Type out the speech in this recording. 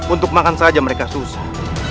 untuk makan saja mereka susah